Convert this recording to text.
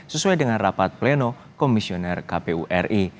sesuai dengan rapat pleno komisioner kpu ri